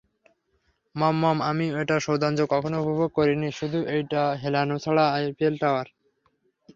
মম মম আমি এটার সৌন্দর্য কখনই উপভোগ করিনি শুধু এইটা হেলানো ছাড়া আইফেল টাওয়ার?